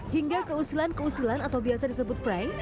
hingga keusilan keusilan atau biasa disebut prank